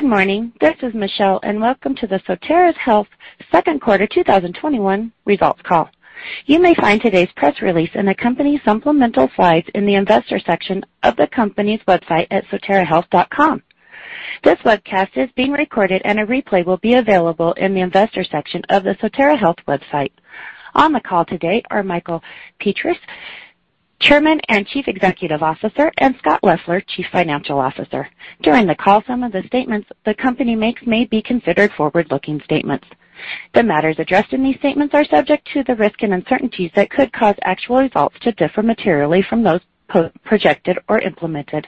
Good morning. This is Michelle, and welcome to the Sotera Health second quarter 2021 results call. You may find today's press release in the company's supplemental slides in the investor section of the company's website at soterahealth.com. This webcast is being recorded, and a replay will be available in the investor section of the Sotera Health website. On the call today are Michael Petras, Chairman and Chief Executive Officer, and Scott Leffler, Chief Financial Officer. During the call, some of the statements the company makes may be considered forward-looking statements. The matters addressed in these statements are subject to the risks and uncertainties that could cause actual results to differ materially from those projected or implemented.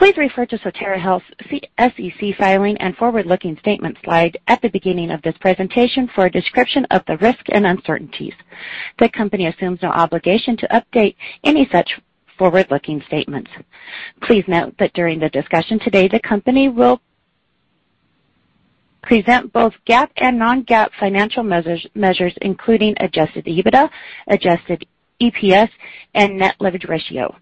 Please refer to Sotera Health's SEC filing and forward-looking statements slide at the beginning of this presentation for a description of the risks and uncertainties. The company assumes no obligation to update any such forward-looking statements. Please note that during the discussion today, the company will present both GAAP and non-GAAP financial measures, including adjusted EBITDA, adjusted EPS, and net leverage ratio.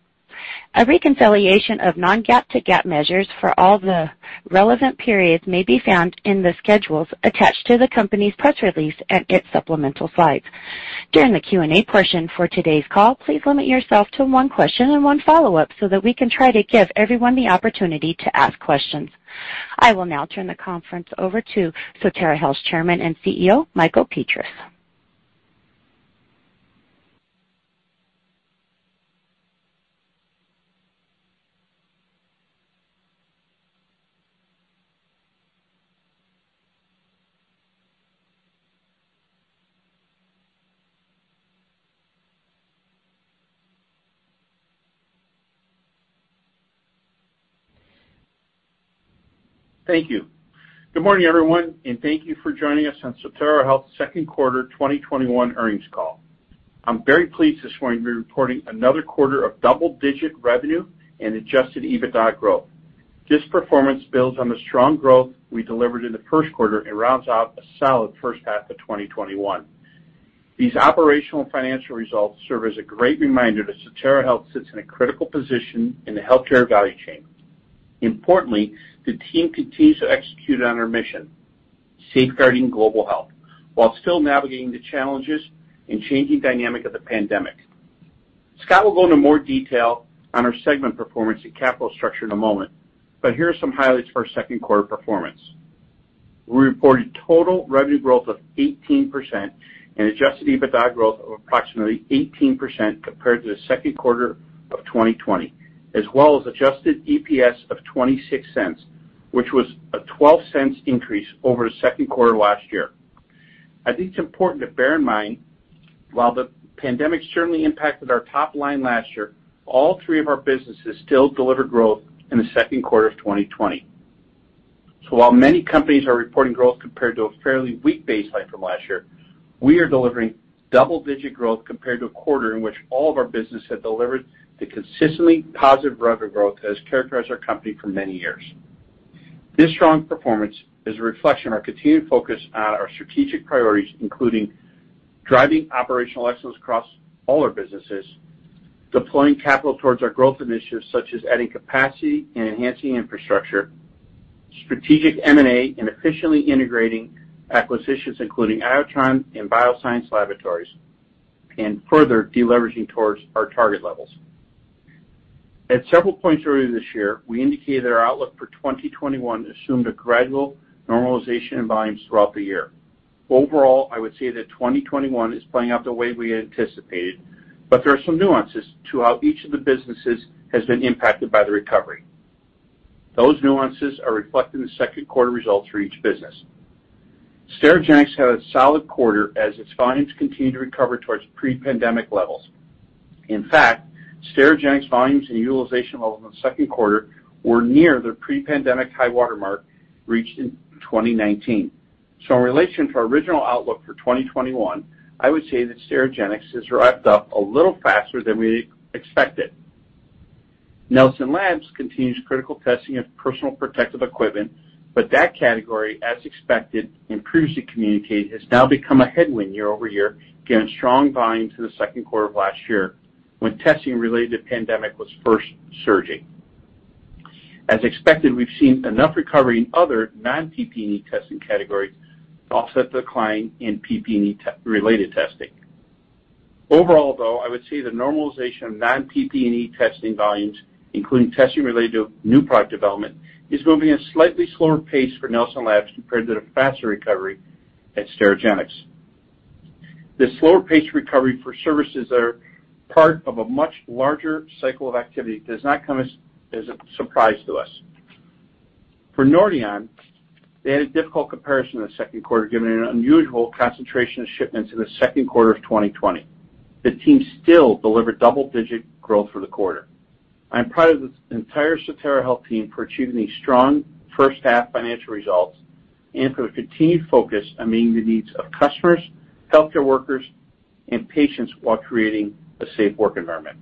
A reconciliation of non-GAAP to GAAP measures for all the relevant periods may be found in the schedules attached to the company's press release and its supplemental slides. During the Q&A portion for today's call, please limit yourself to one question and one follow-up so that we can try to give everyone the opportunity to ask questions. I will now turn the conference over to Sotera Health's Chairman and CEO, Michael Petras. Thank you. Good morning, everyone, and thank you for joining us on Sotera Health's second quarter 2021 earnings call. I'm very pleased this morning to be reporting another quarter of double-digit revenue and adjusted EBITDA growth. This performance builds on the strong growth we delivered in the first quarter and rounds out a solid first half of 2021. These operational financial results serve as a great reminder that Sotera Health sits in a critical position in the healthcare value chain. Importantly, the team continues to execute on our mission, safeguarding global health, while still navigating the challenges and changing dynamic of the pandemic. Scott will go into more detail on our segment performance and capital structure in a moment, but here are some highlights for our second quarter performance. We reported total revenue growth of 18% and adjusted EBITDA growth of approximately 18% compared to the second quarter of 2020, as well as adjusted EPS of $0.26, which was a $0.12 increase over the second quarter last year. I think it's important to bear in mind, while the pandemic certainly impacted our top line last year, all three of our businesses still delivered growth in the second quarter of 2020. While many companies are reporting growth compared to a fairly weak baseline from last year, we are delivering double-digit growth compared to a quarter in which all of our business had delivered the consistently positive revenue growth that has characterized our company for many years. This strong performance is a reflection of our continued focus on our strategic priorities, including driving operational excellence across all our businesses, deploying capital towards our growth initiatives such as adding capacity and enhancing infrastructure, strategic M&A, and efficiently integrating acquisitions, including Iotron and BioScience Laboratories, and further deleveraging towards our target levels. At several points earlier this year, we indicated our outlook for 2021 assumed a gradual normalization in volumes throughout the year. Overall, I would say that 2021 is playing out the way we anticipated, but there are some nuances to how each of the businesses has been impacted by the recovery. Those nuances are reflected in the second quarter results for each business. Sterigenics had a solid quarter as its volumes continued to recover towards pre-pandemic levels. In fact, Sterigenics volumes and utilization levels in the second quarter were near their pre-pandemic high-water mark reached in 2019. In relation to our original outlook for 2021, I would say that Sterigenics has ramped up a little faster than we expected. Nelson Labs continues critical testing of personal protective equipment, but that category, as expected and previously communicated, has now become a headwind year-over-year, given strong volumes in the second quarter of last year when testing related to the pandemic was first surging. As expected, we've seen enough recovery in other non-PPE testing categories to offset the decline in PPE-related testing. Overall, though, I would say the normalization of non-PPE testing volumes, including testing related to new product development, is moving at a slightly slower pace for Nelson Labs compared to the faster recovery at Sterigenics. The slower pace of recovery for services that are part of a much larger cycle of activity does not come as a surprise to us. For Nordion, they had a difficult comparison in the second quarter, given an unusual concentration of shipments in the second quarter of 2020. The team still delivered double-digit growth for the quarter. I am proud of the entire Sotera Health team for achieving these strong first half financial results and for the continued focus on meeting the needs of customers, healthcare workers, and patients while creating a safe work environment.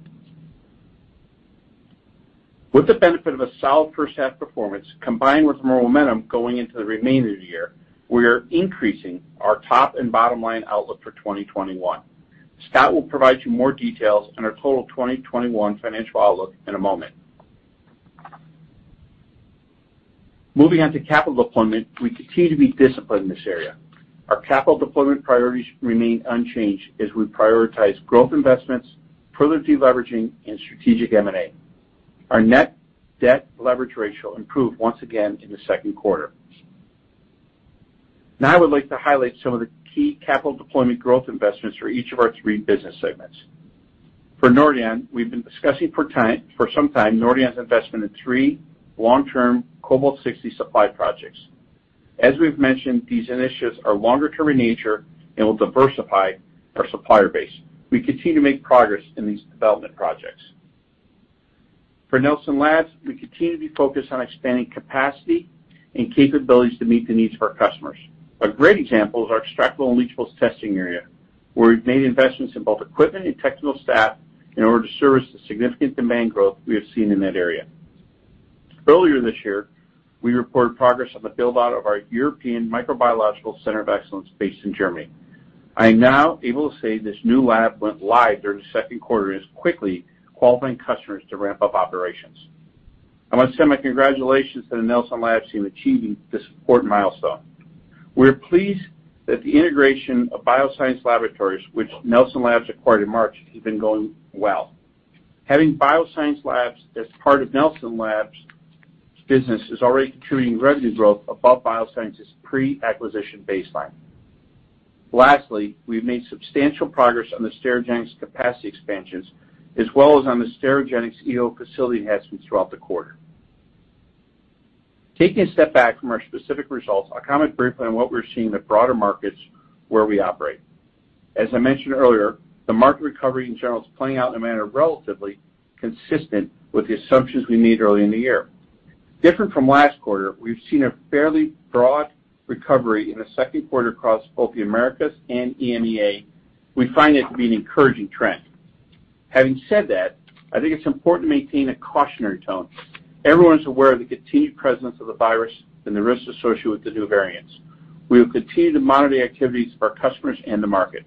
With the benefit of a solid first half performance, combined with more momentum going into the remainder of the year, we are increasing our top and bottom line outlook for 2021. Scott will provide you more details on our total 2021 financial outlook in a moment. Moving on to capital deployment, we continue to be disciplined in this area. Our capital deployment priorities remain unchanged as we prioritize growth investments, further deleveraging, and strategic M&A. Our net debt leverage ratio improved once again in the second quarter. Now I would like to highlight some of the key capital deployment growth investments for each of our three business segments. For Nordion, we've been discussing for some time Nordion's investment in three long-term Cobalt-60 supply projects. As we've mentioned, these initiatives are longer-term in nature and will diversify our supplier base. We continue to make progress in these development projects. For Nelson Labs, we continue to be focused on expanding capacity and capabilities to meet the needs of our customers. A great example is our extractables and leachables testing area, where we've made investments in both equipment and technical staff in order to service the significant demand growth we have seen in that area. Earlier this year, we reported progress on the build-out of our European Microbiological Center of Excellence based in Germany. I am now able to say this new lab went live during the second quarter and is quickly qualifying customers to ramp up operations. I want to send my congratulations to the Nelson Labs team achieving this important milestone. We're pleased that the integration of BioScience Laboratories, which Nelson Labs acquired in March, has been going well. Having BioScience Labs as part of Nelson Labs business is already contributing revenue growth above BioScience's pre-acquisition baseline. Lastly, we've made substantial progress on the Sterigenics capacity expansions, as well as on the Sterigenics EO facility enhancements throughout the quarter. Taking a step back from our specific results, I'll comment briefly on what we're seeing in the broader markets where we operate. As I mentioned earlier, the market recovery in general is playing out in a manner relatively consistent with the assumptions we made earlier in the year. Different from last quarter, we've seen a fairly broad recovery in the second quarter across both the Americas and EMEA. We find it to be an encouraging trend. Having said that, I think it's important to maintain a cautionary tone. Everyone's aware of the continued presence of the virus and the risks associated with the new variants. We will continue to monitor the activities of our customers and the market.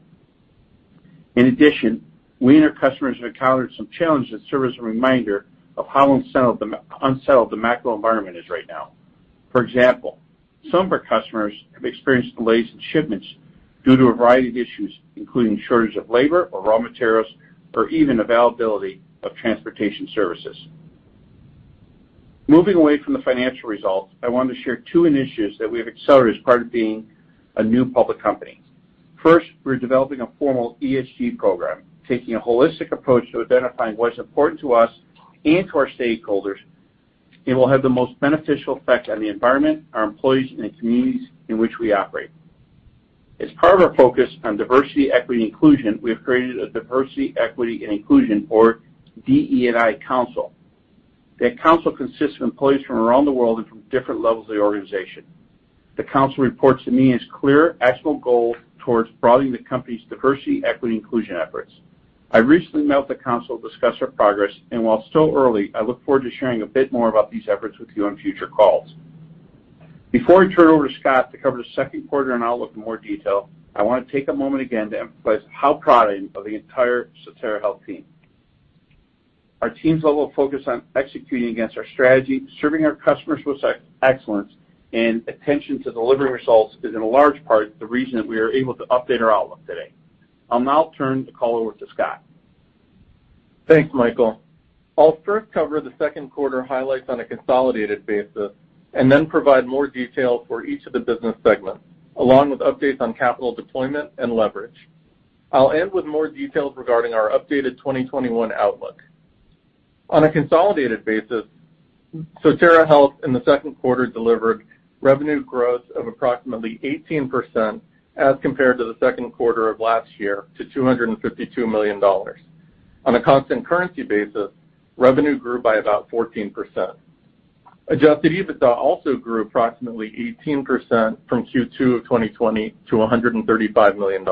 In addition, we and our customers have encountered some challenges that serve as a reminder of how unsettled the macro environment is right now. For example, some of our customers have experienced delays in shipments due to a variety of issues, including shortage of labor or raw materials, or even availability of transportation services. Moving away from the financial results, I wanted to share two initiatives that we have accelerated as part of being a new public company. First, we're developing a formal ESG program, taking a holistic approach to identifying what is important to us and to our stakeholders and will have the most beneficial effect on the environment, our employees, and the communities in which we operate. As part of our focus on diversity, equity, and inclusion, we have created a Diversity, Equity, and Inclusion, or DE&I Council. That council consists of employees from around the world and from different levels of the organization. The council reports to me and has clear, actionable goals towards broadening the company's diversity, equity, and inclusion efforts. I recently met with the council to discuss our progress, and while it's still early, I look forward to sharing a bit more about these efforts with you on future calls. Before I turn it over to Scott to cover the second quarter and outlook in more detail, I want to take a moment again to emphasize how proud I am of the entire Sotera Health team. Our team's level of focus on executing against our strategy, serving our customers with excellence, and attention to delivering results is in large part the reason that we are able to update our outlook today. I'll now turn the call over to Scott. Thanks, Michael. I'll first cover the second quarter highlights on a consolidated basis and then provide more detail for each of the business segments, along with updates on capital deployment and leverage. I'll end with more details regarding our updated 2021 outlook. On a consolidated basis, Sotera Health in the second quarter delivered revenue growth of approximately 18% as compared to the second quarter of last year to $252 million. On a constant currency basis, revenue grew by about 14%. Adjusted EBITDA also grew approximately 18% from Q2 of 2020 to $135 million.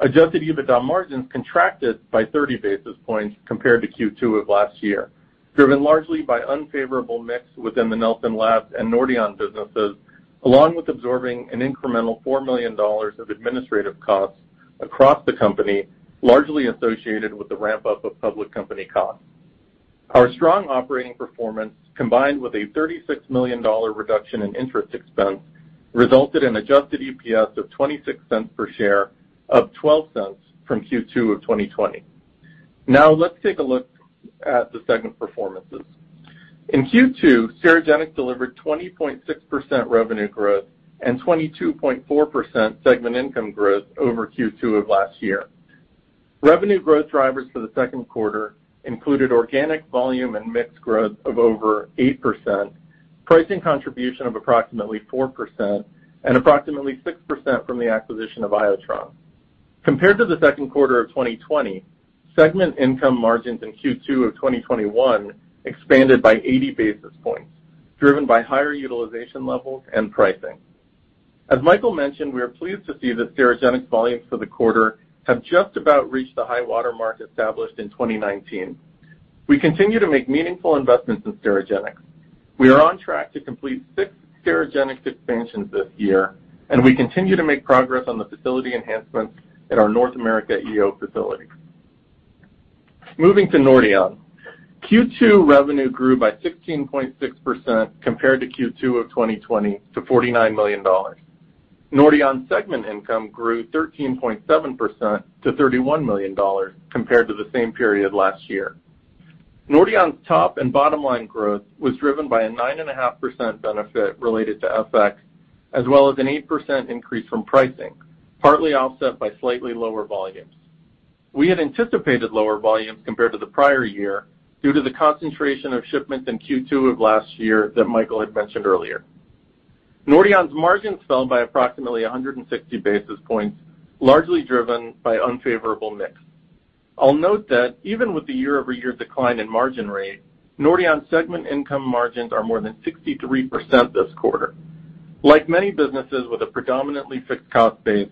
Adjusted EBITDA margins contracted by 30 basis points compared to Q2 of last year, driven largely by unfavorable mix within the Nelson Labs and Nordion businesses, along with absorbing an incremental $4 million of administrative costs across the company, largely associated with the ramp-up of public company costs. Our strong operating performance, combined with a $36 million reduction in interest expense, resulted in adjusted EPS of $0.26 per share of $0.12 from Q2 of 2020. Now let's take a look at the segment performances. In Q2, Sterigenics delivered 20.6% revenue growth and 22.4% segment income growth over Q2 of last year. Revenue growth drivers for the second quarter included organic volume and mix growth of over 8%, pricing contribution of approximately 4%, and approximately 6% from the acquisition of Iotron. Compared to the second quarter of 2020, segment income margins in Q2 of 2021 expanded by 80 basis points, driven by higher utilization levels and pricing. As Michael mentioned, we are pleased to see that Sterigenics volumes for the quarter have just about reached the high water mark established in 2019. We continue to make meaningful investments in Sterigenics. We are on track to complete six Sterigenics expansions this year, and we continue to make progress on the facility enhancements at our North America EO facility. Moving to Nordion. Q2 revenue grew by 16.6% compared to Q2 of 2020 to $49 million. Nordion segment income grew 13.7% to $31 million compared to the same period last year. Nordion's top and bottom line growth was driven by a 9.5% benefit related to FX, as well as an 8% increase from pricing, partly offset by slightly lower volumes. We had anticipated lower volumes compared to the prior year due to the concentration of shipments in Q2 of last year that Michael had mentioned earlier. Nordion's margins fell by approximately 160 basis points, largely driven by unfavorable mix. I'll note that even with the year-over-year decline in margin rate, Nordion segment income margins are more than 63% this quarter. Like many businesses with a predominantly fixed cost base,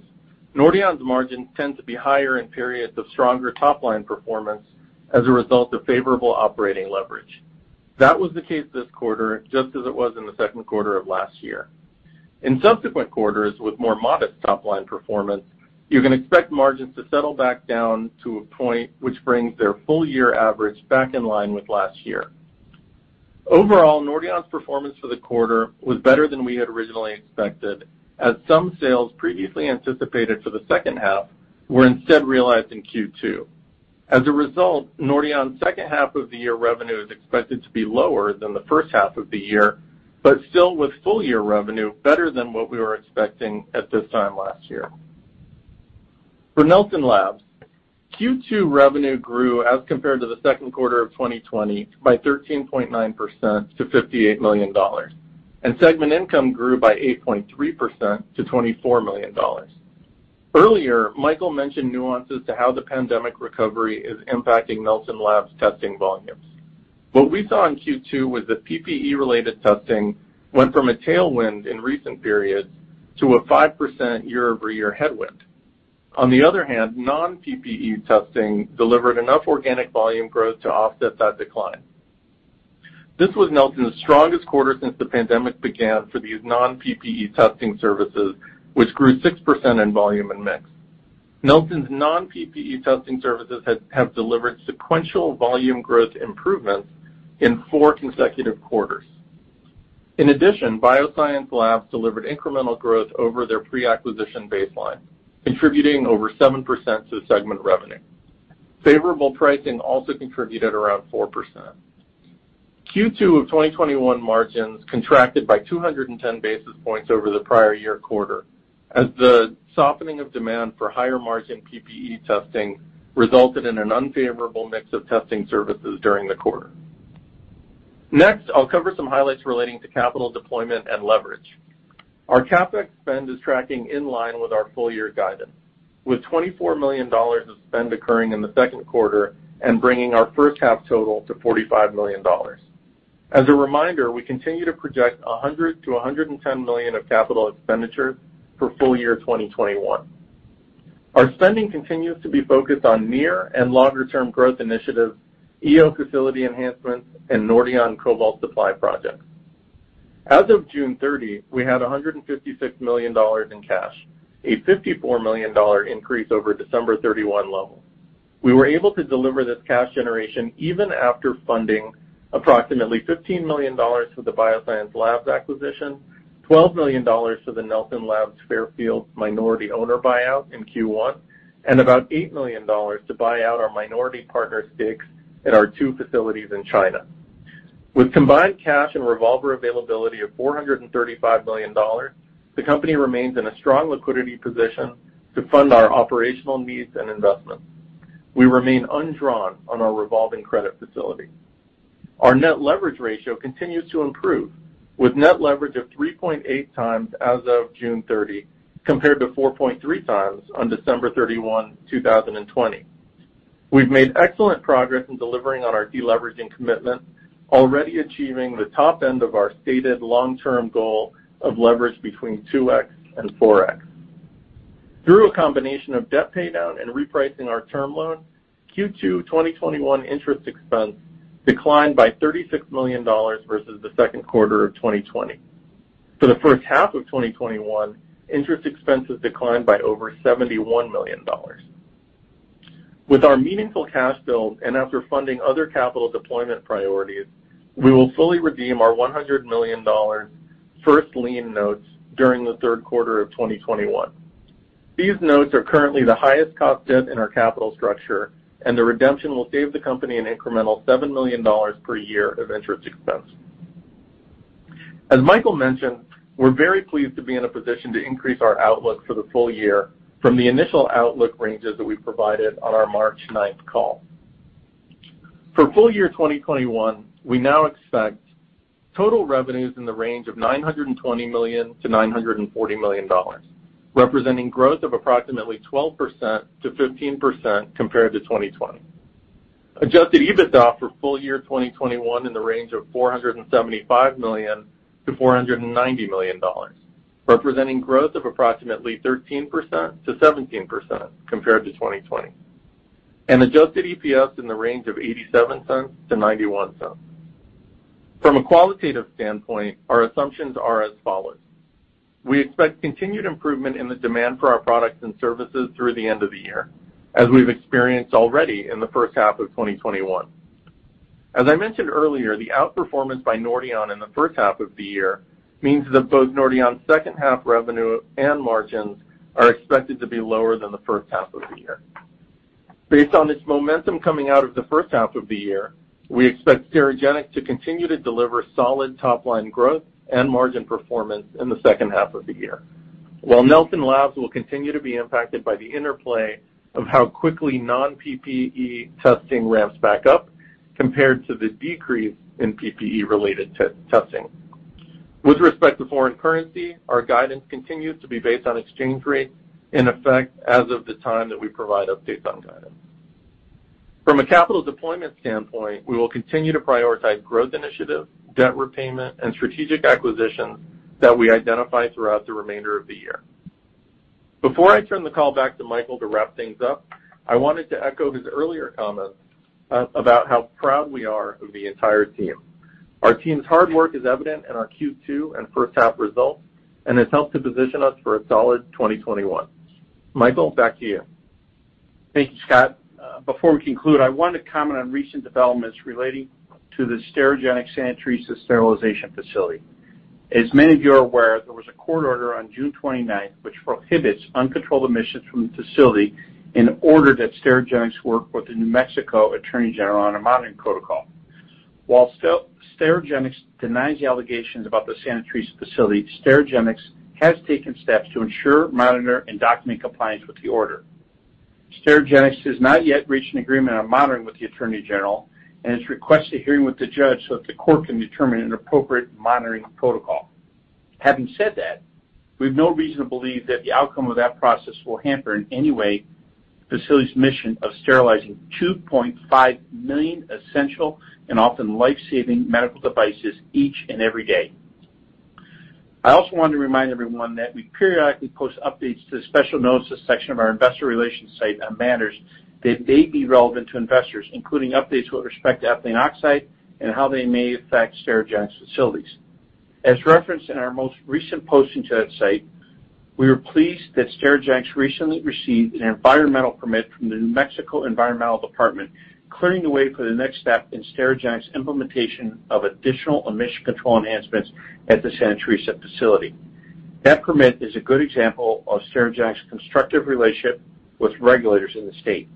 Nordion's margins tend to be higher in periods of stronger top-line performance as a result of favorable operating leverage. That was the case this quarter, just as it was in the second quarter of last year. In subsequent quarters with more modest top-line performance, you can expect margins to settle back down to a point which brings their full year average back in line with last year. Overall, Nordion's performance for the quarter was better than we had originally expected, as some sales previously anticipated for the second half were instead realized in Q2. As a result, Nordion's second half of the year revenue is expected to be lower than the first half of the year, but still with full year revenue better than what we were expecting at this time last year. For Nelson Labs, Q2 revenue grew as compared to the second quarter of 2020 by 13.9% to $58 million, and segment income grew by 8.3% to $24 million. Earlier, Michael mentioned nuances to how the pandemic recovery is impacting Nelson Labs' testing volumes. What we saw in Q2 was that PPE-related testing went from a tailwind in recent periods to a 5% year-over-year headwind. On the other hand, non-PPE testing delivered enough organic volume growth to offset that decline. This was Nelson's strongest quarter since the pandemic began for these non-PPE testing services, which grew 6% in volume and mix. Nelson's non-PPE testing services have delivered sequential volume growth improvements in four consecutive quarters. In addition, BioScience Labs delivered incremental growth over their pre-acquisition baseline, contributing over 7% to segment revenue. Favorable pricing also contributed around 4%. Q2 of 2021 margins contracted by 210 basis points over the prior year quarter, as the softening of demand for higher-margin PPE testing resulted in an unfavorable mix of testing services during the quarter. Next, I'll cover some highlights relating to capital deployment and leverage. Our CapEx spend is tracking in line with our full year guidance, with $24 million of spend occurring in the second quarter and bringing our first half total to $45 million. As a reminder, we continue to project $100 million-$110 million of capital expenditure for full year 2021. Our spending continues to be focused on near and longer term growth initiatives, EO facility enhancements, and Nordion cobalt supply projects. As of June 30, we had $156 million in cash, a $54 million increase over December 31 levels. We were able to deliver this cash generation even after funding approximately $15 million for the BioScience Labs acquisition, $12 million for the Nelson Labs Fairfield minority owner buyout in Q1, and about $8 million to buy out our minority partner stakes in our two facilities in China. With combined cash and revolver availability of $435 million, the company remains in a strong liquidity position to fund our operational needs and investments. We remain undrawn on our revolving credit facility. Our net leverage ratio continues to improve, with net leverage of 3.8x as of June 30, compared to 4.3x on December 31, 2020. We've made excellent progress in delivering on our de-leveraging commitment, already achieving the top end of our stated long-term goal of leverage between 2x and 4x. Through a combination of debt paydown and repricing our term loan, Q2 2021 interest expense declined by $36 million versus the second quarter of 2020. For the first half of 2021, interest expenses declined by over $71 million. With our meaningful cash build, and after funding other capital deployment priorities, we will fully redeem our $100 million first lien notes during the third quarter of 2021. These notes are currently the highest cost debt in our capital structure, and the redemption will save the company an incremental $7 million per year of interest expense. As Michael mentioned, we're very pleased to be in a position to increase our outlook for the full year from the initial outlook ranges that we provided on our March 9th call. For full year 2021, we now expect total revenues in the range of $920 million-$940 million, representing growth of approximately 12%-15% compared to 2020. Adjusted EBITDA for full year 2021 in the range of $475 million-$490 million, representing growth of approximately 13%-17% compared to 2020, and adjusted EPS in the range of $0.87-$0.91. From a qualitative standpoint, our assumptions are as follows: We expect continued improvement in the demand for our products and services through the end of the year, as we've experienced already in the first half of 2021. As I mentioned earlier, the outperformance by Nordion in the first half of the year means that both Nordion's second half revenue and margins are expected to be lower than the first half of the year. Based on this momentum coming out of the first half of the year, we expect Sterigenics to continue to deliver solid top-line growth and margin performance in the second half of the year, while Nelson Labs will continue to be impacted by the interplay of how quickly non-PPE testing ramps back up compared to the decrease in PPE-related testing. With respect to foreign currency, our guidance continues to be based on exchange rates in effect as of the time that we provide updates on guidance. From a capital deployment standpoint, we will continue to prioritize growth initiatives, debt repayment, and strategic acquisitions that we identify throughout the remainder of the year. Before I turn the call back to Michael to wrap things up, I wanted to echo his earlier comments about how proud we are of the entire team. Our team's hard work is evident in our Q2 and first half results, and it's helped to position us for a solid 2021. Michael, back to you. Thank you, Scott. Before we conclude, I want to comment on recent developments relating to the Sterigenics Santa Teresa sterilization facility. As many of you are aware, there was a court order on June 29th which prohibits uncontrolled emissions from the facility and ordered that Sterigenics work with the New Mexico Attorney General on a monitoring protocol. While Sterigenics denies the allegations about the Santa Teresa facility, Sterigenics has taken steps to ensure, monitor, and document compliance with the order. Sterigenics has not yet reached an agreement on monitoring with the Attorney General and has requested a hearing with the judge so that the court can determine an appropriate monitoring protocol. Having said that, we have no reason to believe that the outcome of that process will hamper in any way the facility's mission of sterilizing 2.5 million essential and often life-saving medical devices each and every day. I also wanted to remind everyone that we periodically post updates to the Special Notices section of our investor relations site on matters that may be relevant to investors, including updates with respect to ethylene oxide and how they may affect Sterigenics facilities. As referenced in our most recent posting to that site, we were pleased that Sterigenics recently received an environmental permit from the New Mexico Environment Department, clearing the way for the next step in Sterigenics' implementation of additional emission control enhancements at the Santa Teresa facility. That permit is a good example of Sterigenics' constructive relationship with regulators in the state.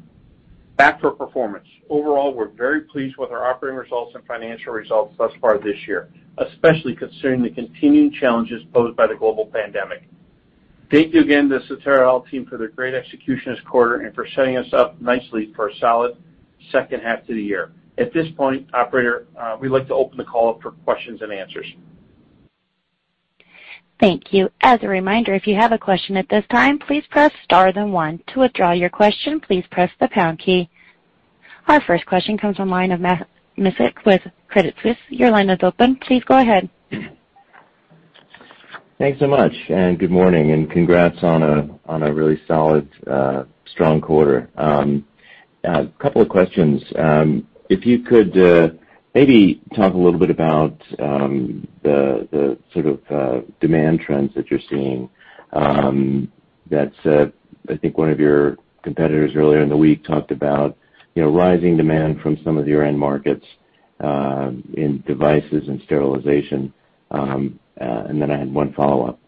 Back to our performance. Overall, we're very pleased with our operating results and financial results thus far this year, especially considering the continuing challenges posed by the global pandemic. Thank you again to the Sotera team for their great execution this quarter and for setting us up nicely for a solid second half to the year. At this point, operator, we'd like to open the call up for questions and answers. Thank you. As a reminder, if you have a question at this time, please press star then one. To withdraw your question, please press the pound key. Our first question comes from the line of Matt Miksic with Credit Suisse. Your line is open. Please go ahead. Thanks so much. Good morning. Congrats on a really solid, strong quarter. A couple of questions. If you could maybe talk a little bit about the demand trends that you're seeing that I think one of your competitors earlier in the week talked about, rising demand from some of your end markets in devices and sterilization. Then I had one follow-up.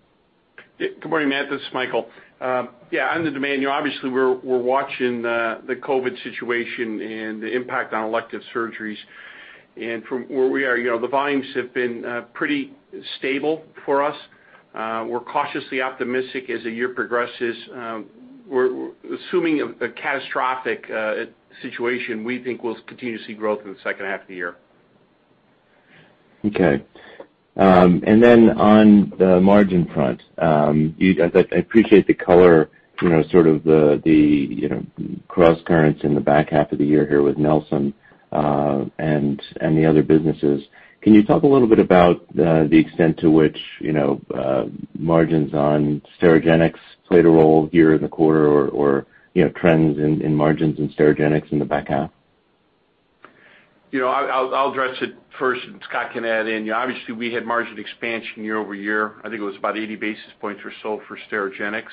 Good morning, Matt. This is Michael. Yeah, on the demand, obviously we're watching the COVID situation and the impact on elective surgeries. From where we are, the volumes have been pretty stable for us. We're cautiously optimistic as the year progresses. We're assuming a catastrophic situation we think we'll continue to see growth in the second half of the year. Okay. Then on the margin front, I appreciate the color, sort of the cross-currents in the back half of the year here with Nelson and the other businesses. Can you talk a little bit about the extent to which margins on Sterigenics played a role here in the quarter or trends in margins in Sterigenics in the back half? I'll address it first, and Scott can add in. Obviously, we had margin expansion year-over-year. I think it was about 80 basis points or so for Sterigenics.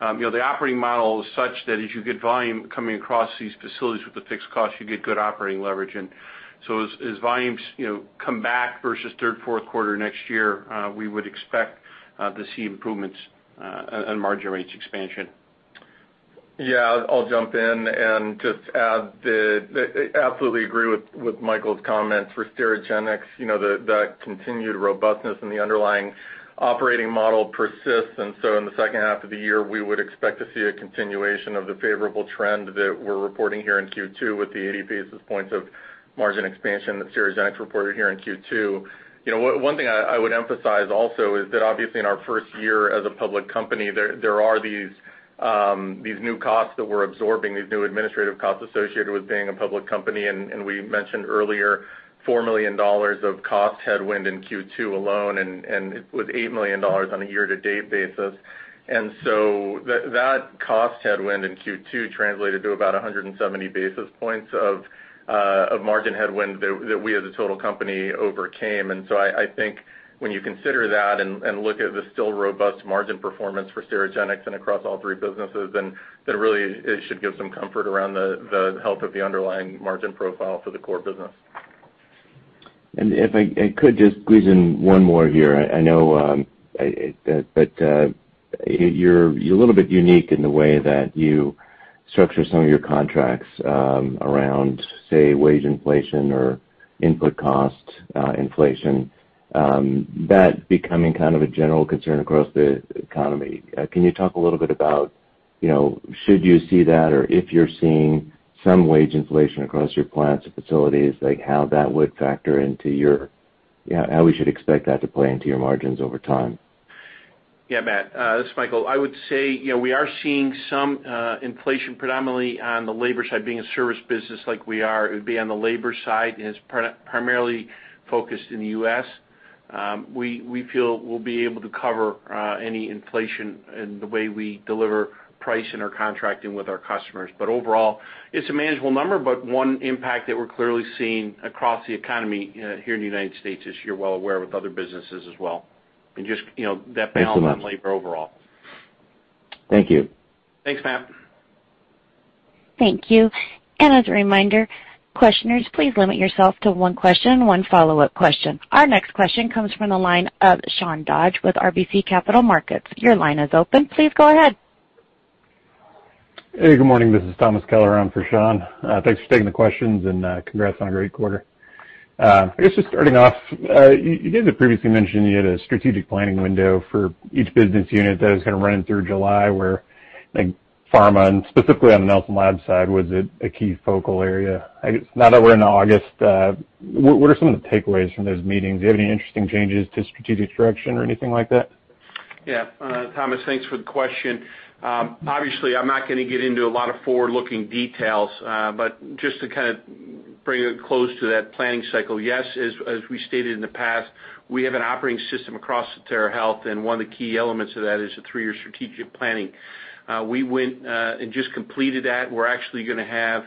The operating model is such that as you get volume coming across these facilities with the fixed costs, you get good operating leverage. As volumes come back versus third, fourth quarter next year, we would expect to see improvements and margin rates expansion. Yeah, I'll jump in and just add that I absolutely agree with Michael's comments for Sterigenics. That continued robustness in the underlying operating model persists. In the second half of the year, we would expect to see a continuation of the favorable trend that we're reporting here in Q2 with the 80 basis points of margin expansion that Sterigenics reported here in Q2. One thing I would emphasize also is that obviously in our first year as a public company, there are these new costs that we're absorbing, these new administrative costs associated with being a public company, and we mentioned earlier $4 million of cost headwind in Q2 alone, and it was $8 million on a year-to-date basis. That cost headwind in Q2 translated to about 170 basis points of margin headwind that we as a total company overcame. I think when you consider that and look at the still robust margin performance for Sterigenics and across all three businesses, then really it should give some comfort around the health of the underlying margin profile for the core business. If I could just squeeze in one more here. I know that you're a little bit unique in the way that you structure some of your contracts around, say, wage inflation or input cost inflation. That becoming kind of a general concern across the economy. Can you talk a little bit about should you see that, or if you're seeing some wage inflation across your plants or facilities, how we should expect that to play into your margins over time? Yeah, Matt, this is Michael. I would say, we are seeing some inflation predominantly on the labor side. Being a service business like we are, it would be on the labor side, and it's primarily focused in the U.S. We feel we'll be able to cover any inflation in the way we deliver price in our contracting with our customers. Overall, it's a manageable number, but one impact that we're clearly seeing across the economy here in the United States, as you're well aware, with other businesses as well and just that balance on labor overall. Thank you. Thanks, Matt. Thank you. As a reminder, questioners, please limit yourself to one question and one follow-up question. Our next question comes from the line of Sean Dodge with RBC Capital Markets. Your line is open. Please go ahead. Hey, good morning. This is Thomas Kelliher on for Sean. Thanks for taking the questions and congrats on a great quarter. I guess just starting off, you guys had previously mentioned you had a strategic planning window for each business unit that is going to run through July, where like pharma and specifically on the Nelson Labs side, was a key focal area. I guess now that we're in August, what are some of the takeaways from those meetings? Do you have any interesting changes to strategic direction or anything like that? Yeah. Thomas, thanks for the question. Obviously, I'm not going to get into a lot of forward-looking details, but just to kind of bring it close to that planning cycle, yes, as we stated in the past, we have an operating system across Sotera Health, and one of the key elements of that is the three-year strategic planning. We went and just completed that. We're actually going to have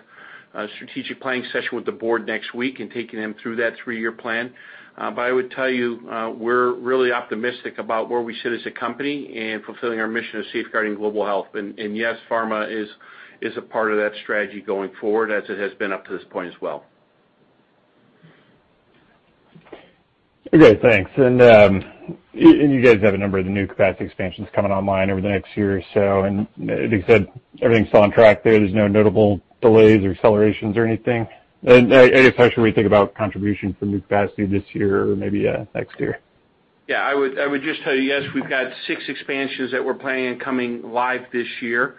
a strategic planning session with the board next week and taking them through that three-year plan. I would tell you, we're really optimistic about where we sit as a company and fulfilling our mission of safeguarding global health. Yes, pharma is a part of that strategy going forward, as it has been up to this point as well. Okay, thanks. You guys have a number of the new capacity expansions coming online over the next year or so, and like I said, everything's still on track there. There's no notable delays or accelerations or anything? I guess how should we think about contribution from new capacity this year or maybe next year? I would just tell you, yes, we've got six expansions that we're planning on coming live this year.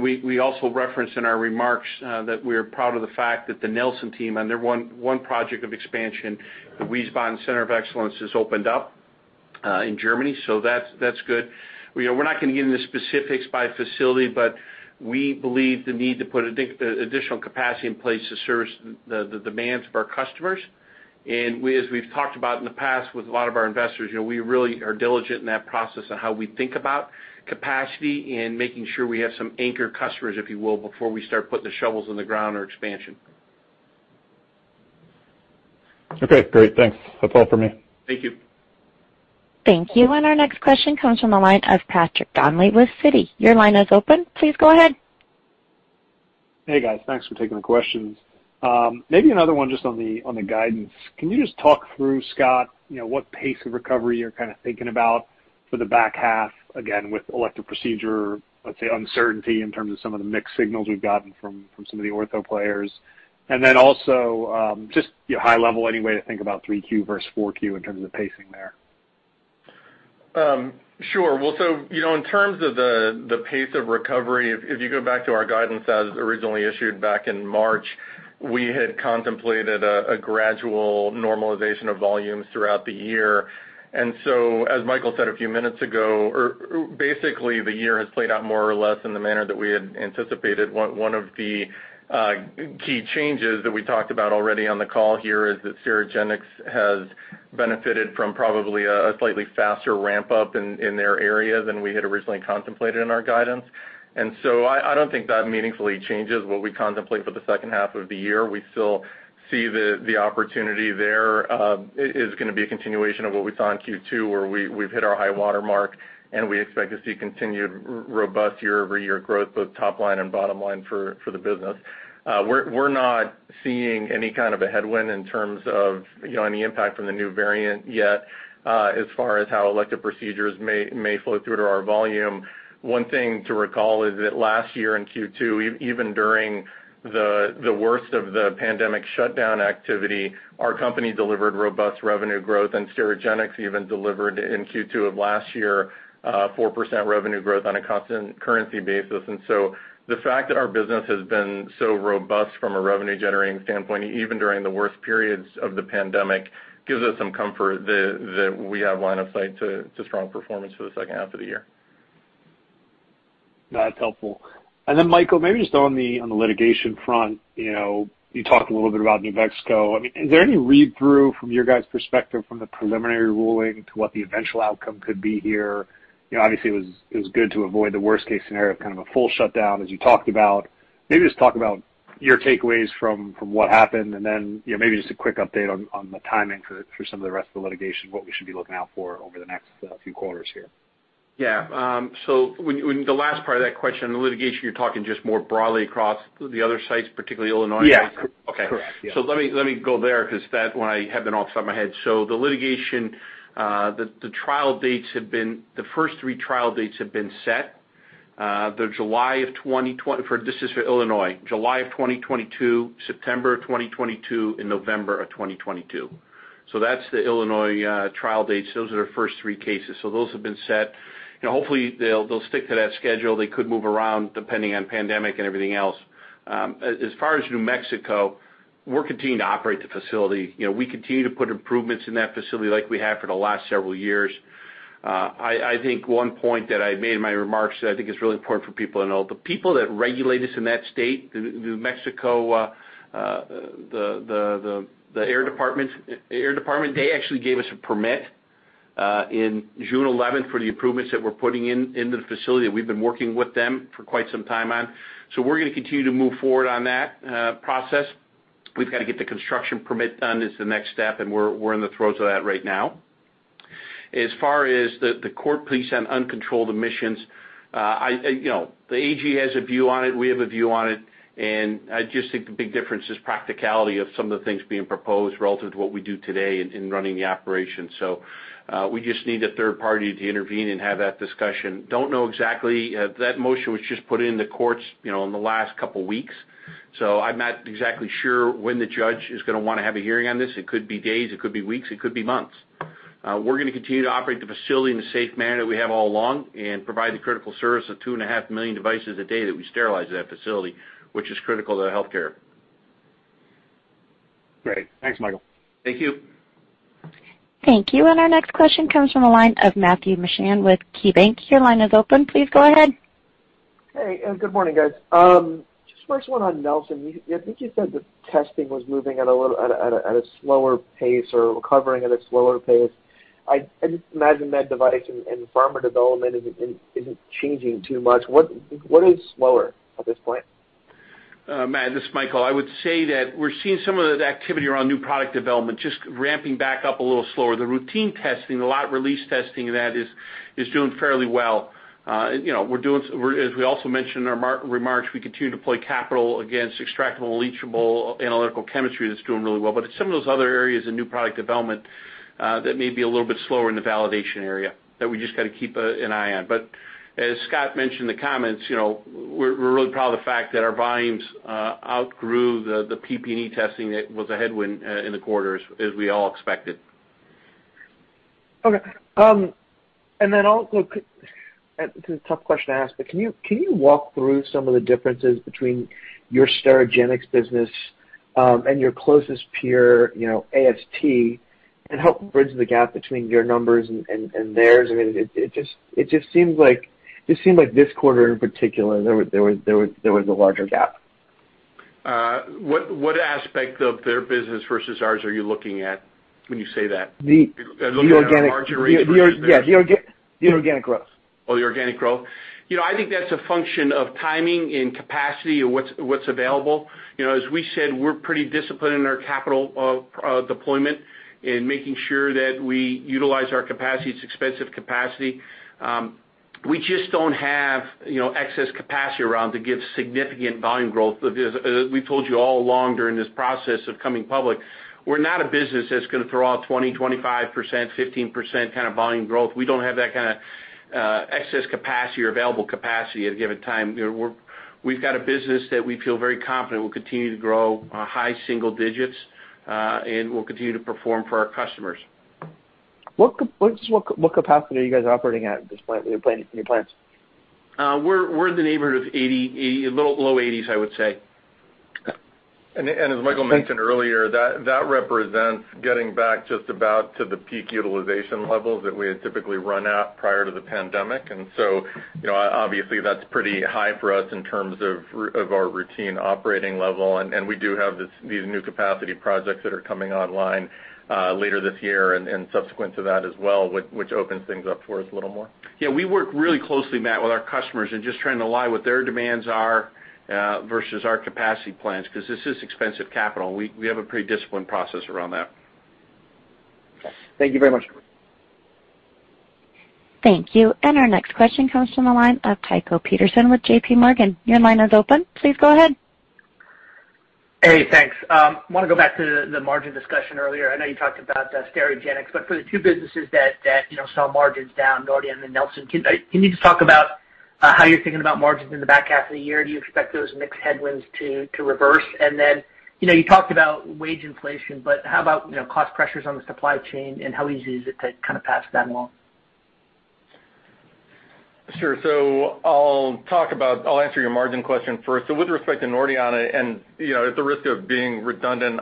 We also referenced in our remarks that we're proud of the fact that the Nelson team on their one project of expansion, the Wiesbaden Center of Excellence, has opened up in Germany. That's good. We're not going to get into specifics by facility, but we believe the need to put additional capacity in place to service the demands of our customers. As we've talked about in the past with a lot of our investors, we really are diligent in that process of how we think about capacity and making sure we have some anchor customers, if you will, before we start putting the shovels in the ground or expansion. Okay, great. Thanks. That's all for me. Thank you. Thank you. Our next question comes from the line of Patrick Donnelly with Citi. Your line is open. Please go ahead. Hey, guys. Thanks for taking the questions. Maybe another one just on the guidance. Can you just talk through, Scott, what pace of recovery you're thinking about for the back half, again, with elective procedure, let's say, uncertainty in terms of some of the mixed signals we've gotten from some of the ortho players? Then also, just high level, any way to think about 3Q versus 4Q in terms of the pacing there? Sure. Well, in terms of the pace of recovery, if you go back to our guidance as originally issued back in March, we had contemplated a gradual normalization of volumes throughout the year. As Michael said a few minutes ago, or basically the year has played out more or less in the manner that we had anticipated. One of the key changes that we talked about already on the call here is that Sterigenics has benefited from probably a slightly faster ramp-up in their area than we had originally contemplated in our guidance. I don't think that meaningfully changes what we contemplate for the second half of the year. We still see the opportunity there is going to be a continuation of what we saw in Q2, where we've hit our high water mark, and we expect to see continued robust year-over-year growth, both top line and bottom line for the business. We're not seeing any kind of a headwind in terms of any impact from the new variant yet, as far as how elective procedures may flow through to our volume. One thing to recall is that last year in Q2, even during the worst of the pandemic shutdown activity, our company delivered robust revenue growth, and Sterigenics even delivered in Q2 of last year, 4% revenue growth on a constant currency basis. The fact that our business has been so robust from a revenue-generating standpoint, even during the worst periods of the pandemic, gives us some comfort that we have line of sight to strong performance for the second half of the year. That's helpful. Michael, maybe just on the litigation front, you talked a little bit about New Mexico. Is there any read-through from your guys' perspective from the preliminary ruling to what the eventual outcome could be here? Obviously, it was good to avoid the worst-case scenario of a full shutdown as you talked about. Maybe just talk about your takeaways from what happened, and then maybe just a quick update on the timing for some of the rest of the litigation, what we should be looking out for over the next few quarters here. Yeah. The last part of that question, the litigation, you're talking just more broadly across the other sites, particularly Illinois? Yes. Correct. Yeah. Let me go there, because that one I have it off the top of my head. The litigation, the first three trial dates have been set. This is for Illinois, July of 2022, September 2022, and November of 2022. That's the Illinois trial dates. Those are the first three cases. Those have been set. Hopefully, they'll stick to that schedule. They could move around depending on pandemic and everything else. As far as New Mexico, we're continuing to operate the facility. We continue to put improvements in that facility like we have for the last several years. I think one point that I made in my remarks that I think is really important for people to know, the people that regulate us in that state, the New Mexico Environment Department, they actually gave us a permit in June 11 for the improvements that we're putting in the facility that we've been working with them for quite some time on. We're going to continue to move forward on that process. We've got to get the construction permit done is the next step, and we're in the throes of that right now. As far as the court pleas on uncontrolled emissions, the AG has a view on it. We have a view on it, and I just think the big difference is practicality of some of the things being proposed relative to what we do today in running the operation. We just need a third-party to intervene and have that discussion. That motion was just put in the courts in the last couple of weeks, so I'm not exactly sure when the judge is going to want to have a hearing on this. It could be days, it could be weeks, it could be months. We're going to continue to operate the facility in the safe manner that we have all along and provide the critical service of 2.5 million devices a day that we sterilize at that facility, which is critical to healthcare. Great. Thanks, Michael. Thank you. Thank you. Our next question comes from the line of Matthew Mishan with KeyBanc. Your line is open. Please go ahead. Hey, good morning, guys. Just first one on Nelson. I think you said the testing was moving at a slower pace or recovering at a slower pace. I just imagine med device and pharma development isn't changing too much. What is slower at this point? Matt, this is Michael. I would say that we're seeing some of the activity around new product development just ramping back up a little slower. The routine testing, a lot of release testing of that is doing fairly well. As we also mentioned in our remarks, we continue to play capital against extractable, leachable analytical chemistry that's doing really well. It's some of those other areas in new product development that may be a little bit slower in the validation area that we just got to keep an eye on. As Scott mentioned in the comments, we're really proud of the fact that our volumes outgrew the PPE testing that was a headwind in the quarter, as we all expected. Okay. This is a tough question to ask, but can you walk through some of the differences between your Sterigenics business and your closest peer, AST, and help bridge the gap between your numbers and theirs? It just seemed like this quarter in particular, there was a larger gap. What aspect of their business versus ours are you looking at when you say that? The organic growth. Oh, the organic growth. I think that's a function of timing and capacity of what's available. As we said, we're pretty disciplined in our capital deployment in making sure that we utilize our capacity. It's expensive capacity. We just don't have excess capacity around to give significant volume growth. As we told you all along during this process of coming public, we're not a business that's going to throw out 20%, 25%, 15% kind of volume growth. We don't have that kind of excess capacity or available capacity at a given time. We've got a business that we feel very confident will continue to grow high single digits, and we'll continue to perform for our customers. What capacity are you guys operating at this point with your plans? We're in the neighborhood of low 80s, I would say. As Michael mentioned earlier, that represents getting back just about to the peak utilization levels that we had typically run at prior to the pandemic. Obviously, that's pretty high for us in terms of our routine operating level, and we do have these new capacity projects that are coming online later this year and subsequent to that as well, which opens things up for us a little more. Yeah, we work really closely, Matt, with our customers and just trying to align what their demands are versus our capacity plans, because this is expensive capital, and we have a pretty disciplined process around that. Thank you very much. Thank you. Our next question comes from the line of Tycho Peterson with JPMorgan. Your line is open. Please go ahead. Hey, thanks. I want to go back to the margin discussion earlier. I know you talked about Sterigenics, but for the two businesses that saw margins down, Nordion and Nelson, can you just talk about how you're thinking about margins in the back half of the year? Do you expect those mixed headwinds to reverse? You talked about wage inflation, but how about cost pressures on the supply chain, and how easy is it to kind of pass that along? Sure. I'll answer your margin question first. With respect to Nordion, and at the risk of being redundant,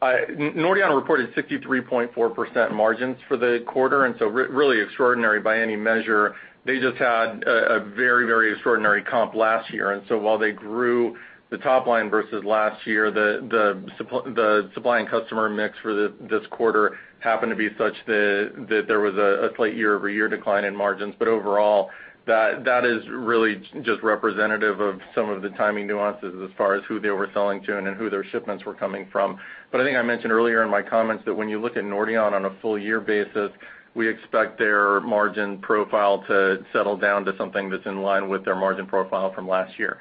Nordion reported 63.4% margins for the quarter, really extraordinary by any measure. They just had a very, very extraordinary comp last year. While they grew the top line versus last year, the supply and customer mix for this quarter happened to be such that there was a slight year-over-year decline in margins. Overall, that is really just representative of some of the timing nuances as far as who they were selling to and who their shipments were coming from. I think I mentioned earlier in my comments that when you look at Nordion on a full year basis, we expect their margin profile to settle down to something that's in line with their margin profile from last year.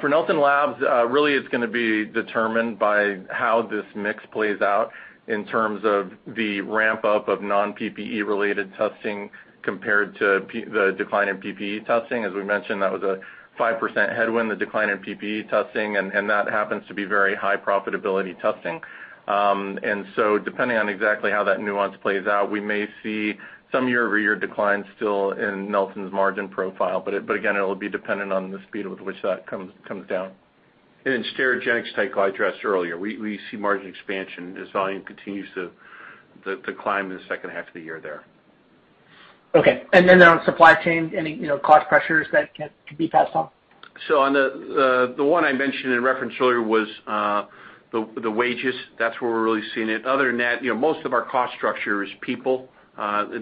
For Nelson Labs, really, it's going to be determined by how this mix plays out in terms of the ramp-up of non-PPE related testing compared to the decline in PPE testing. As we mentioned, that was a 5% headwind, the decline in PPE testing, and that happens to be very high profitability testing. Depending on exactly how that nuance plays out, we may see some year-over-year declines still in Nelson's margin profile. Again, it'll be dependent on the speed with which that comes down. In Sterigenics, Tycho, I addressed earlier, we see margin expansion as volume continues to climb in the second half of the year there. Okay. On supply chain, any cost pressures that can be passed on? The one I mentioned in reference earlier was the wages. That's where we're really seeing it. Other than that, most of our cost structure is people,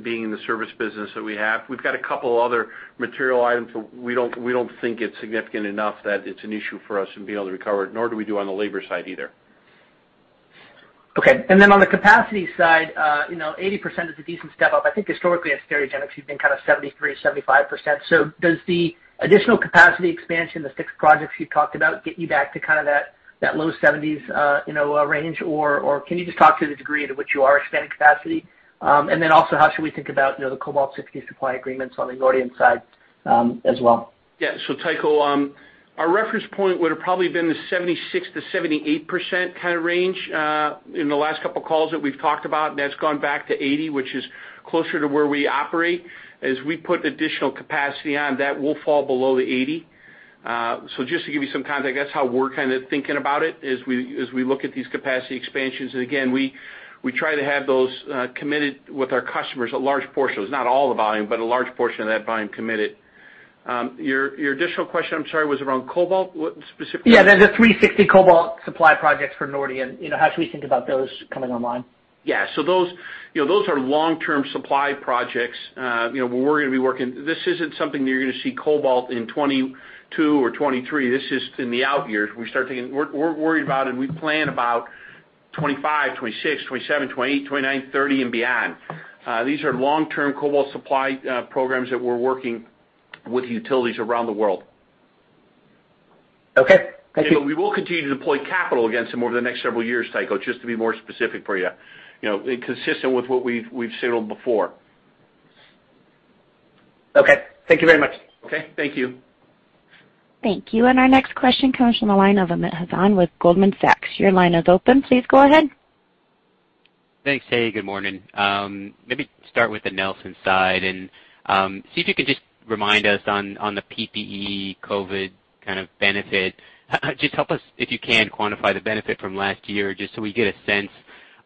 being in the service business that we have. We've got a couple other material items, but we don't think it's significant enough that it's an issue for us to be able to recover it, nor do we do on the labor side either. Okay. On the capacity side, 80% is a decent step up. I think historically at Sterigenics, you've been kind of 73%, 75%. Does the additional capacity expansion, the six projects you talked about, get you back to that low 70s range, or can you just talk to the degree to which you are expanding capacity? Also, how should we think about the Cobalt-60 supply agreements on the Nordion side as well? Yeah. Tycho, our reference point would have probably been the 76%-78% kind of range in the last couple of calls that we've talked about. That's gone back to 80%, which is closer to where we operate. As we put additional capacity on, that will fall below the 80%. Just to give you some context, that's how we're kind of thinking about it as we look at these capacity expansions. Again, we try to have those committed with our customers, a large portion. It's not all the volume, but a large portion of that volume committed. Your additional question, I'm sorry, was around Cobalt, what specifically? Yeah, the [360 Cobalt] supply projects for Nordion. How should we think about those coming online? Yeah. Those are long-term supply projects. This isn't something that you're going to see Cobalt in 2022 or 2023. This is in the out years. We're worried about and we plan about 2025, 2026, 2027, 2028, 2029, 2030, and beyond. These are long-term Cobalt supply programs that we're working with utilities around the world. Okay. Thank you. We will continue to deploy capital against them over the next several years, Tycho, just to be more specific for you, consistent with what we've signaled before. Okay. Thank you very much. Okay. Thank you. Thank you. Our next question comes from the line of Amit Hazan with Goldman Sachs. Your line is open. Please go ahead. Thanks. Hey, good morning. Let me start with the Nelson side and see if you could just remind us on the PPE COVID kind of benefit. Just help us, if you can, quantify the benefit from last year, just so we get a sense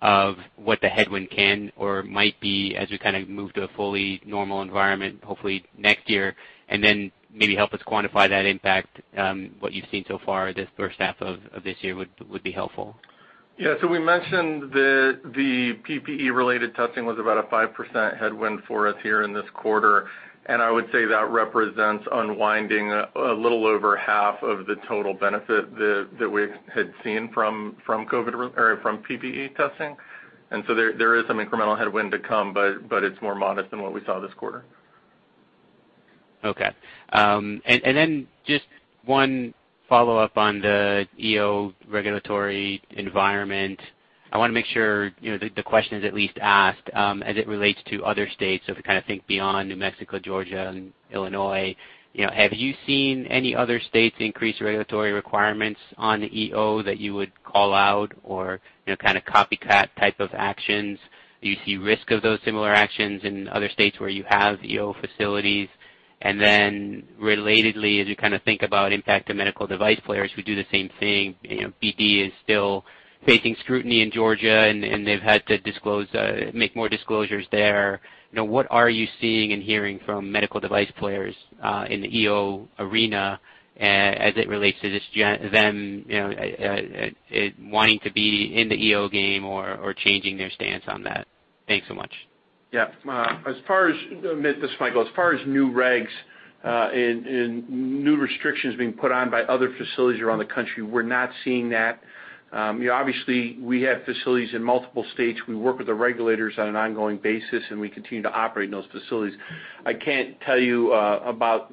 of what the headwind can or might be as we kind of move to a fully normal environment, hopefully next year. Then maybe help us quantify that impact, what you've seen so far this first half of this year would be helpful. Yeah. We mentioned the PPE-related testing was about a 5% headwind for us here in this quarter. I would say that represents unwinding a little over half of the total benefit that we had seen from PPE testing. There is some incremental headwind to come. It's more modest than what we saw this quarter. Okay. Just one follow-up on the EO regulatory environment. I want to make sure the question is at least asked as it relates to other states. If you kind of think beyond New Mexico, Georgia, and Illinois, have you seen any other states increase regulatory requirements on EO that you would call out or kind of copycat type of actions? Do you see risk of those similar actions in other states where you have EO facilities? Relatedly, as you kind of think about impact to medical device players who do the same thing, BD is still facing scrutiny in Georgia, and they've had to make more disclosures there. What are you seeing and hearing from medical device players in the EO arena as it relates to them wanting to be in the EO game or changing their stance on that? Thanks so much. Yeah. This is Michael. As far as new regs and new restrictions being put on by other facilities around the country, we're not seeing that. Obviously, we have facilities in multiple states. We work with the regulators on an ongoing basis, and we continue to operate in those facilities. I can't tell you about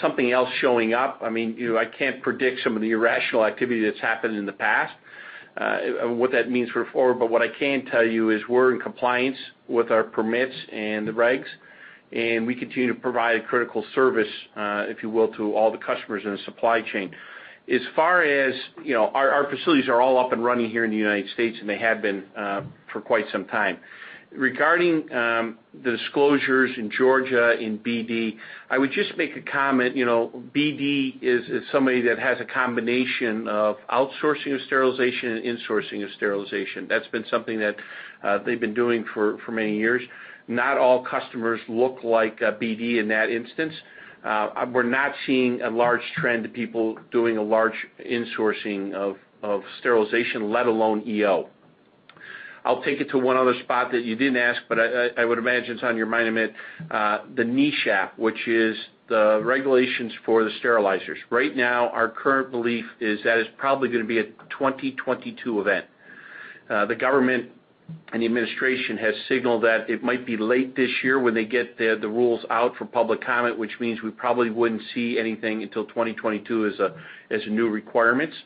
something else showing up. I can't predict some of the irrational activity that's happened in the past, what that means for forward. What I can tell you is we're in compliance with our permits and the regs, and we continue to provide a critical service, if you will, to all the customers in the supply chain. Our facilities are all up and running here in the United States, and they have been for quite some time. Regarding the disclosures in Georgia in BD, I would just make a comment. BD is somebody that has a combination of outsourcing of sterilization and insourcing of sterilization. That's been something that they've been doing for many years. Not all customers look like BD in that instance. We're not seeing a large trend of people doing a large insourcing of sterilization, let alone EO. I'll take it to one other spot that you didn't ask, but I would imagine it's on your mind Amit. The NESHAP, which is the regulations for the sterilizers. Right now, our current belief is that it's probably going to be a 2022 event. The government and the administration has signaled that it might be late this year when they get the rules out for public comment, which means we probably wouldn't see anything until 2022 as a new requirements.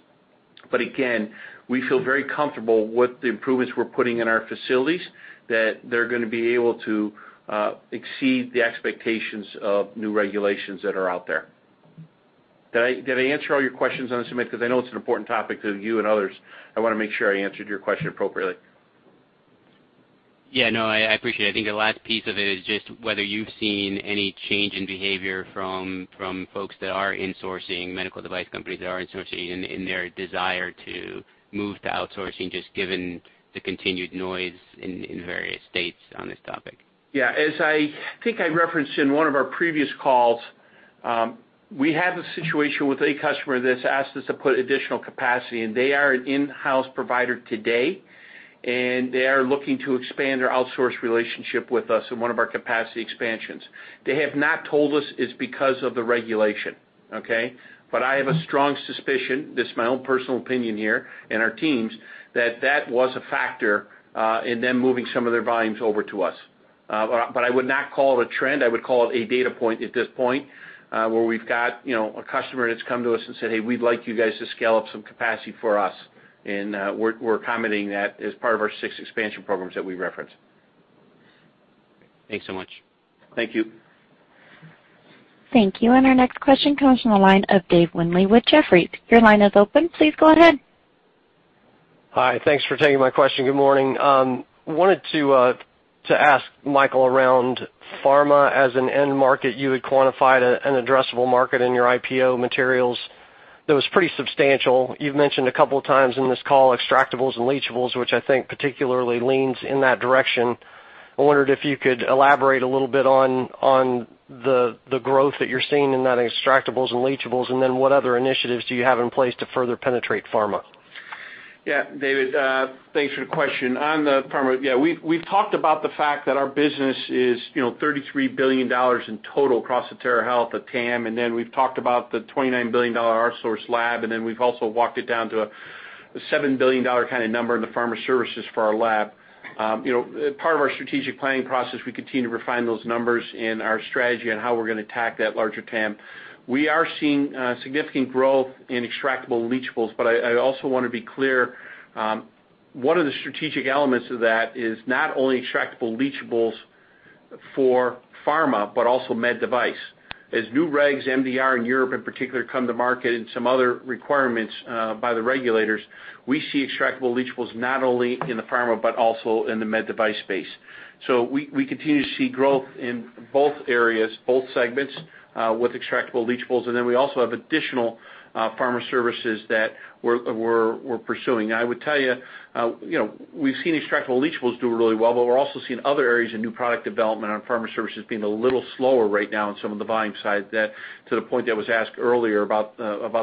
Again, we feel very comfortable with the improvements we're putting in our facilities, that they're going to be able to exceed the expectations of new regulations that are out there. Did I answer all your questions on this, Amit? Because I know it's an important topic to you and others. I want to make sure I answered your question appropriately. Yeah, no, I appreciate it. I think the last piece of it is just whether you've seen any change in behavior from folks that are insourcing, medical device companies that are insourcing, in their desire to move to outsourcing, just given the continued noise in various states on this topic. Yeah. As I think I referenced in one of our previous calls, we have a situation with a customer that's asked us to put additional capacity in. They are an in-house provider today, and they are looking to expand their outsource relationship with us in one of our capacity expansions. They have not told us it's because of the regulation, okay? But I have a strong suspicion, this is my own personal opinion here, and our teams, that that was a factor in them moving some of their volumes over to us. But I would not call it a trend. I would call it a data point at this point, where we've got a customer that's come to us and said, "Hey, we'd like you guys to scale up some capacity for us." And we're accommodating that as part of our six expansion programs that we referenced. Thanks so much. Thank you. Thank you. Our next question comes from the line of Dave Windley with Jefferies. Your line is open. Please go ahead. Hi. Thanks for taking my question. Good morning. Wanted to ask Michael around pharma as an end market. You had quantified an addressable market in your IPO materials that was pretty substantial. You've mentioned a couple of times in this call extractables and leachables, which I think particularly leans in that direction. I wondered if you could elaborate a little bit on the growth that you're seeing in that extractables and leachables, and then what other initiatives do you have in place to further penetrate pharma? Yeah, David, thanks for the question. On the pharma, yeah, we've talked about the fact that our business is $33 billion in total across Sotera Health, the TAM, and then we've talked about the $29 billion outsource lab, and then we've also walked it down to a $7 billion kind of number in the pharma services for our lab. Part of our strategic planning process, we continue to refine those numbers and our strategy on how we're going to attack that larger TAM. We are seeing significant growth in extractable leachables, but I also want to be clear, one of the strategic elements of that is not only extractable leachables for pharma, but also med device. As new regs, MDR in Europe in particular, come to market and some other requirements by the regulators, we see extractable leachables not only in the pharma, but also in the med device space. We continue to see growth in both areas, both segments, with extractables and leachables, and then we also have additional pharma services that we're pursuing. I would tell you, we've seen extractables and leachables do really well, but we're also seeing other areas of new product development on pharma services being a little slower right now on some of the volume side, to the point that was asked earlier about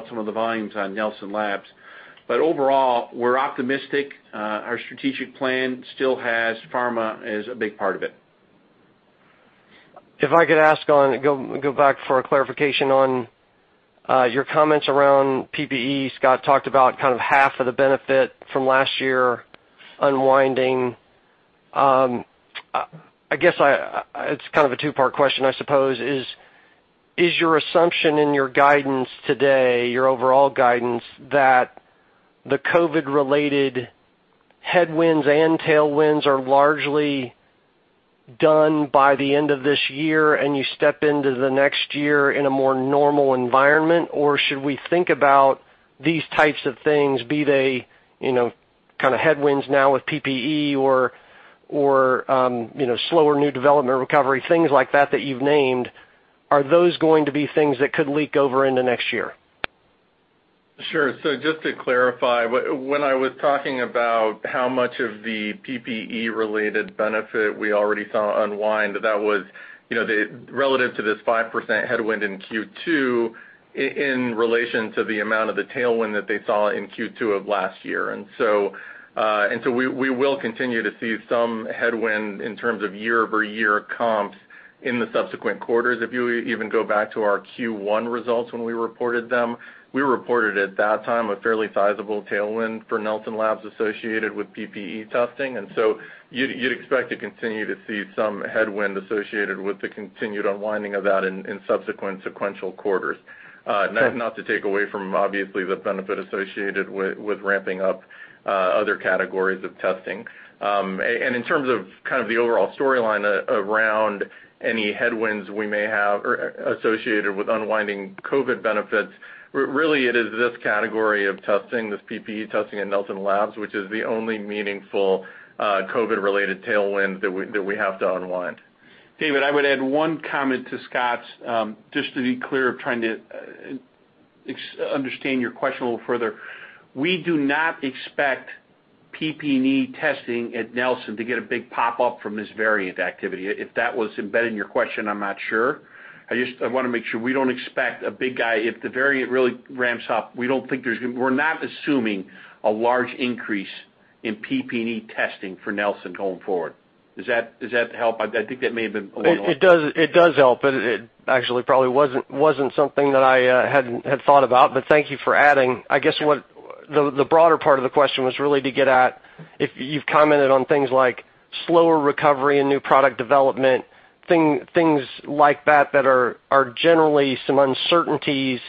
some of the volumes on Nelson Labs. Overall, we're optimistic. Our strategic plan still has pharma as a big part of it. If I could ask, go back for a clarification on your comments around PPE. Scott talked about kind of half of the benefit from last year unwinding. I guess it's kind of a two-part question, I suppose. Is your assumption in your guidance today, your overall guidance, that the COVID-related headwinds and tailwinds are largely done by the end of this year, and you step into the next year in a more normal environment? Or should we think about these types of things, be they kind of headwinds now with PPE or slower new development recovery, things like that you've named, are those going to be things that could leak over into next year? Sure. Just to clarify, when I was talking about how much of the PPE-related benefit we already saw unwind, that was relative to this 5% headwind in Q2 in relation to the amount of the tailwind that they saw in Q2 of last year. We will continue to see some headwind in terms of year-over-year comps in the subsequent quarters. If you even go back to our Q1 results when we reported them, we reported at that time a fairly sizable tailwind for Nelson Labs associated with PPE testing. You'd expect to continue to see some headwind associated with the continued unwinding of that in subsequent sequential quarters. Not to take away from, obviously, the benefit associated with ramping up other categories of testing. In terms of kind of the overall storyline around any headwinds we may have associated with unwinding COVID benefits, really, it is this category of testing, this PPE testing at Nelson Labs, which is the only meaningful COVID-related tailwind that we have to unwind. David, I would add one comment to Scott's, just to be clear of trying to understand your question a little further. We do not expect PPE testing at Nelson to get a big pop-up from this variant activity. If that was embedded in your question, I'm not sure. I want to make sure we don't expect a big guy. If the variant really ramps up, we're not assuming a large increase in PPE testing for Nelson going forward. Does that help? I think that may have been a little. It does help. It actually probably wasn't something that I hadn't had thought about, but thank you for adding. I guess what the broader part of the question was really to get at, if you've commented on things like slower recovery and new product development, things like that are generally some uncertainties,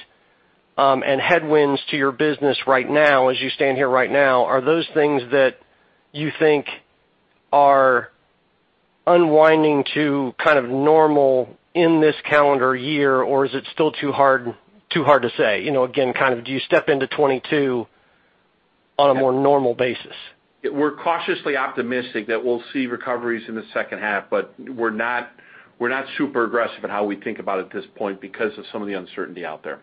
and headwinds to your business right now, as you stand here right now. Are those things that you think are unwinding to kind of normal in this calendar year, or is it still too hard to say? Again, kind of, do you step into 2022 on a more normal basis? We're cautiously optimistic that we'll see recoveries in the second half, but we're not super aggressive in how we think about it at this point because of some of the uncertainty out there.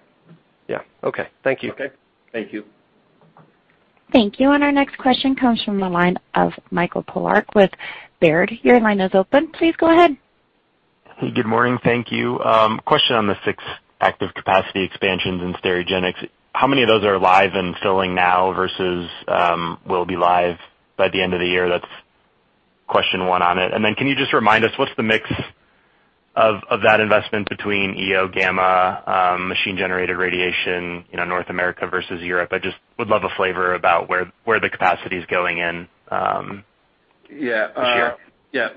Yeah. Okay. Thank you. Okay. Thank you. Thank you. Our next question comes from the line of Michael Polark with Baird. Your line is open. Please go ahead. Hey, good morning. Thank you. Question on the six active capacity expansions in Sterigenics. How many of those are live and filling now versus, will be live by the end of the year? That's question one on it. Can you just remind us what's the mix of that investment between EO, gamma, machine-generated radiation, North America versus Europe? I just would love a flavor about where the capacity's going in this year.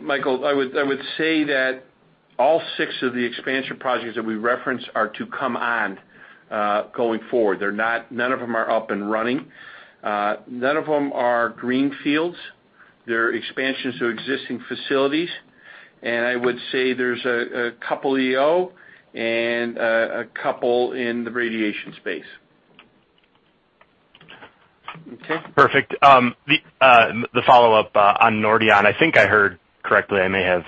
Michael, I would say that all six of the expansion projects that we referenced are to come on, going forward. None of them are up and running. None of them are green fields. They're expansions to existing facilities. I would say there's a couple EO and a couple in the radiation space. Okay, perfect. The follow-up on Nordion, I think I heard correctly, I may have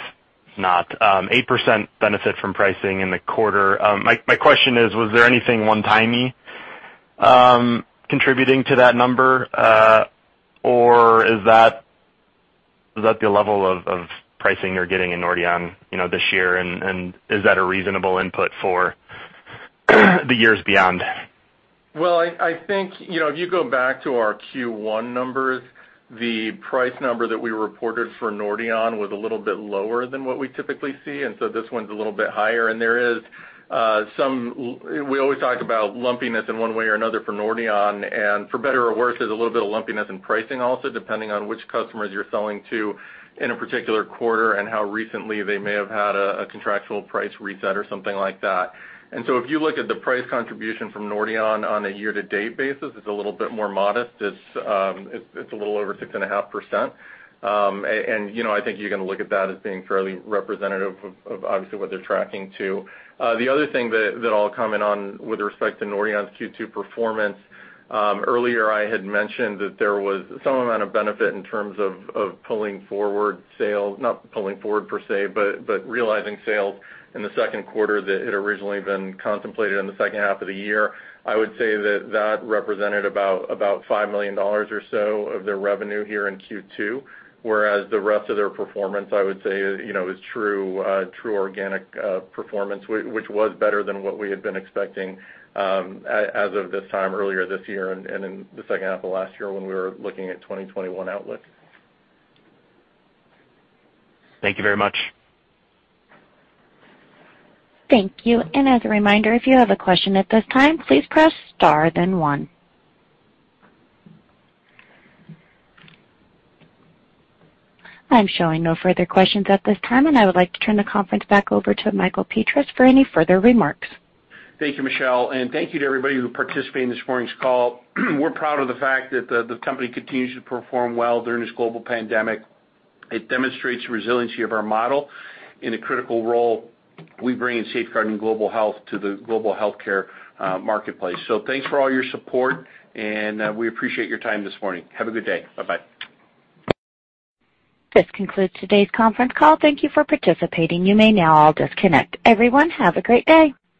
not, 8% benefit from pricing in the quarter. My question is, was there anything one-timey contributing to that number? Or is that the level of pricing you're getting in Nordion this year, and is that a reasonable input for the years beyond? Well, I think, if you go back to our Q1 numbers, the price number that we reported for Nordion was a little bit lower than what we typically see, and so this one's a little bit higher. There is some, we always talk about lumpiness in one way or another for Nordion, and for better or worse, there's a little bit of lumpiness in pricing also, depending on which customers you're selling to in a particular quarter and how recently they may have had a contractual price reset or something like that. If you look at the price contribution from Nordion on a year-to-date basis, it's a little bit more modest. It's a little over 6.5%. I think you're going to look at that as being fairly representative of obviously what they're tracking to. The other thing that I'll comment on with respect to Nordion's Q2 performance, earlier I had mentioned that there was some amount of benefit in terms of pulling forward sales, not pulling forward per se, but realizing sales in the second quarter that had originally been contemplated in the second half of the year. I would say that that represented about $5 million or so of their revenue here in Q2, whereas the rest of their performance, I would say, is true organic performance, which was better than what we had been expecting as of this time earlier this year and in the second half of last year when we were looking at 2021 outlook. Thank you very much. Thank you. As a reminder, if you have a question at this time, please press star then one. I'm showing no further questions at this time, and I would like to turn the conference back over to Michael Petras for any further remarks. Thank you, Michelle, and thank you to everybody who participated in this morning's call. We're proud of the fact that the company continues to perform well during this global pandemic. It demonstrates resiliency of our model in a critical role we bring in safeguarding global health to the global healthcare marketplace. Thanks for all your support, and we appreciate your time this morning. Have a good day. Bye-bye. This concludes today's conference call. Thank you for participating. You may now all disconnect. Everyone, have a great day.